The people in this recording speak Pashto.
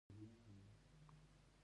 آیا تیارې به لاړې شي؟